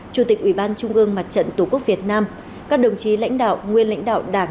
chủ tịch ủy ban trung ương mặt trận tổ quốc việt nam các đồng chí lãnh đạo nguyên lãnh đạo đảng